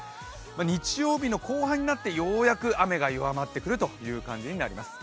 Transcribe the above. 日曜日の後半になってようやく雨が弱まってくるという感じになります。